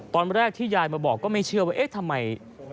ตอนแรกที่ยายมาบอกก็ไม่เชื่อว่าเอ๊ะทำไม